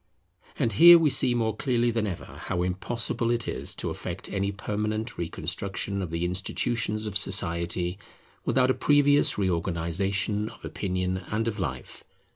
And here we see more clearly than ever how impossible it is to effect any permanent reconstruction of the institutions of society, without a previous reorganization of opinion and of life.